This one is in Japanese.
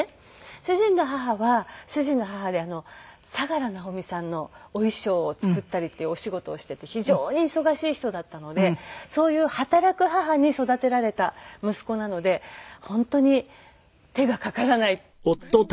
主人の母は主人の母で佐良直美さんのお衣装を作ったりっていうお仕事をしていて非常に忙しい人だったのでそういう働く母に育てられた息子なので本当に手がかからないといいますかはい。